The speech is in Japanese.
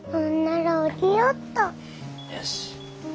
よし。